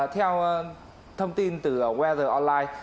theo thông tin từ weather online